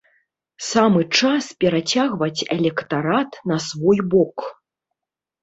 Самы час перацягваць электарат на свой бок.